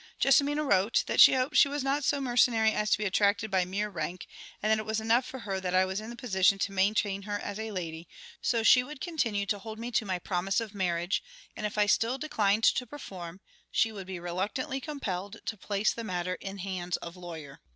JESSIMINA wrote that she hoped she was not so mercenary as to be attracted by mere rank, and that it was enough for her that I was in the position to maintain her as a lady, so she would continue to hold me to my promise of marriage, and if I still declined to perform, she would be reluctantly compelled to place the matter in hands of lawyer.